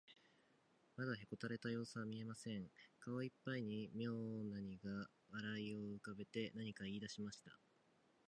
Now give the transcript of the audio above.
まだへこたれたようすは見えません。顔いっぱいにみょうなにが笑いをうかべて、何かいいだしました。